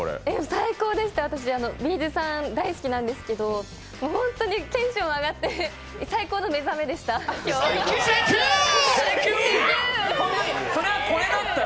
最高でした、Ｂ’ｚさん大好きなんですけど本当にテンション上がって最高の目覚めでした。